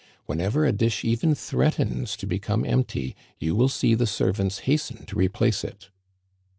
Whenever a dish even threatens to become empty, you will see the servants hasten to re place it."